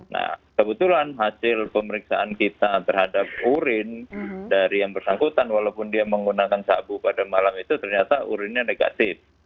nah kebetulan hasil pemeriksaan kita terhadap urin dari yang bersangkutan walaupun dia menggunakan sabu pada malam itu ternyata urinnya negatif